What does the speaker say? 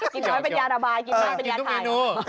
กินเม้าท์เป็นยาห์ดำไบอ๊ะกินใบเป็นยาห์ดไทย